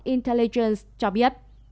intelligence cho biết